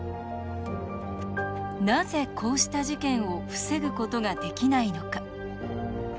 なぜ、こうした事件を防ぐことができないのか？